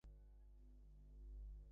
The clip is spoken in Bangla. বাসায় গিয়া থাকিবেন?